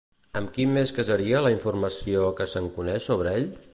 Amb qui més casaria la informació que se'n coneix sobre ell?